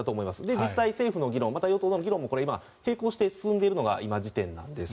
実際、政府の議論与党内の議論も今、並行して進んでいるのが今時点なんです。